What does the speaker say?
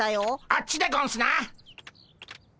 あっちでゴンスな！